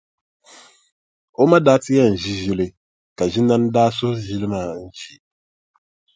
O ma daa ti yɛn ʒi ʒili ka Ʒinani daa suhi ʒili maa n-ʒi.